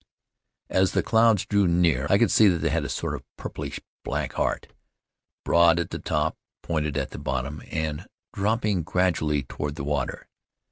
As the clouds drew near I could see that they had a sort of purplish black heart, broad at the top, pointed at the bottom, and dropping gradually toward the water.